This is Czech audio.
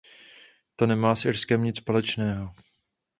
To nemá s Irskem nic společného.